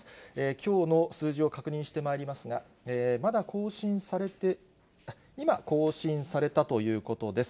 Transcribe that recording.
きょうの数字を確認してまいりますが、まだ更新されて、今、更新されたということです。